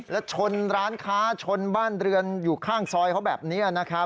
แล้วชนร้านค้าชนบ้านเรือนอยู่ข้างซอยเขาแบบนี้นะครับ